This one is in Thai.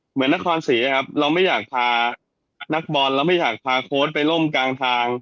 นครศรีอะครับเราไม่อยากพานักบอลเราไม่อยากพาโค้ดไปล่มกลางทาง